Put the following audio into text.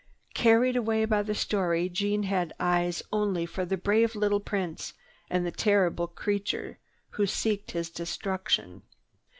Carried away by the story, Jeanne had eyes only for the brave little Prince and the terrible creature who seeks his destruction.